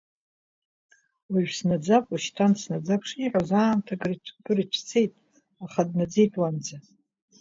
Уажә снаӡап, уашьҭан снаӡап шиҳәоз аамҭа акыр ицәцеит, аха днаӡеит уанӡа.